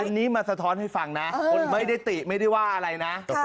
อันนี้มาสะท้อนให้ฟังนะคนไม่ได้ติไม่ได้ว่าอะไรนะ